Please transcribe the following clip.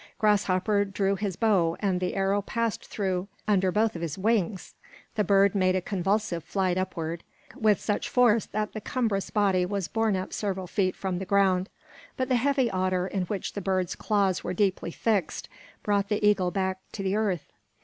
Grasshopper drew his bow, and the arrow passed through under both of his wings. The bird made a convulsive flight upward, with such force that the cumbrous body was borne up several feet from the ground; but the heavy otter, in which the bird's claws were deeply fixed, brought the eagle back to the earth.